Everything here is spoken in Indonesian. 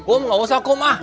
um nggak usah kum ah